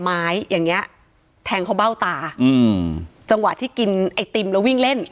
ไม้อย่างเงี้ยแทงเขาเบ้าตาอืมจังหวะที่กินไอติมแล้ววิ่งเล่น